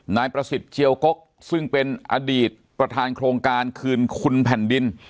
นายประสิทธิ์เจียวกกซึ่งเป็นอดีตประธานโครงการคืนคุณแผ่นดิน